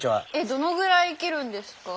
どのぐらい生きるんですか？